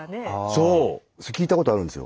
それ聞いたことあるんですよ。